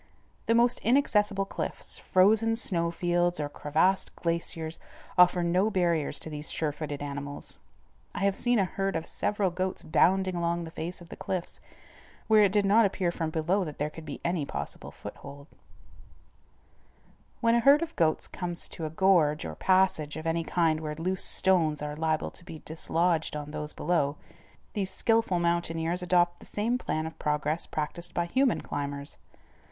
The most inaccessible cliffs, frozen snow fields, or crevassed glaciers offer no barriers to these surefooted animals. I have seen a herd of several goats bounding along on the face of the cliffs, where it did not appear from below that there could be any possible foothold. [Illustration: Head of Rocky Mountain Goat. Shot July 18th, 1895.] When a herd of goats come to a gorge or passage of any kind where loose stones are liable to be dislodged on those below, these skilful mountaineers adopt the same plan of progress practised by human climbers.